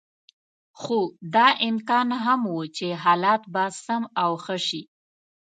خو دا امکان هم و چې حالات به سم او ښه شي.